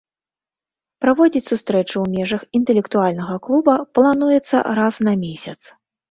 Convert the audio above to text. Праводзіць сустрэчы ў межах інтэлектуальнага клуба плануецца раз на месяц.